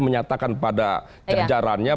menyatakan pada jajarannya